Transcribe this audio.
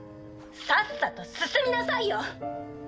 さっさと進みなさいよ。